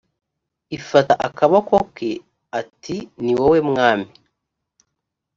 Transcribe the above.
ifata akaboko ke atiniwowe mwami.